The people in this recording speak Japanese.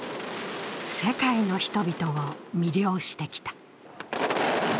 世界の人々を魅了してきた。